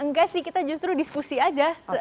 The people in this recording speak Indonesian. enggak sih kita justru diskusi aja